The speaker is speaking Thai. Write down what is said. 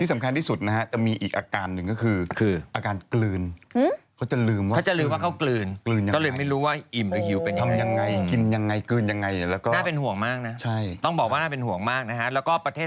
ที่สำคัญที่สุดจะมีอีกอาการหนึ่งก็คือ